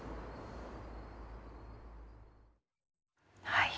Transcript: はい。